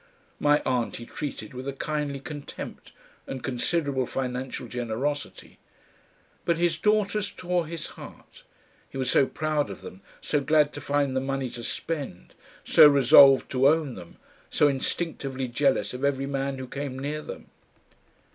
My aunt he treated with a kindly contempt and considerable financial generosity, but his daughters tore his heart; he was so proud of them, so glad to find them money to spend, so resolved to own them, so instinctively jealous of every man who came near them.